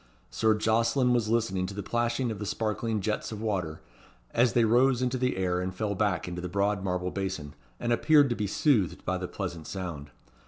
Sir Jocelyn was listening to the plashing of the sparkling jets of water, as they rose into the air, and fell back into the broad marble basin, and appeared to be soothed by the pleasant sound.